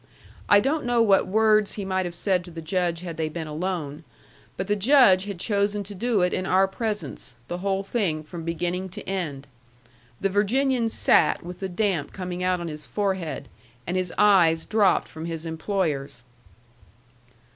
I don't know what words he might have said to the Judge had they been alone, but the Judge had chosen to do it in our presence, the whole thing from beginning to end. The Virginian sat with the damp coming out on his forehead, and his eyes dropped from his employer's.